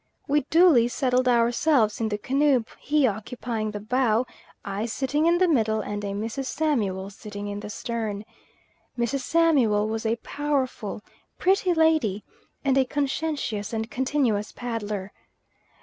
We duly settled ourselves in the canoe, he occupying the bow, I sitting in the middle, and a Mrs. Samuel sitting in the stern. Mrs. Samuel was a powerful, pretty lady, and a conscientious and continuous paddler.